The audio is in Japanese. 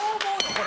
これ。